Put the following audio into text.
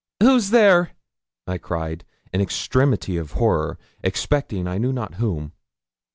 'Who's there?' I cried, in extremity of horror, expecting I knew not whom.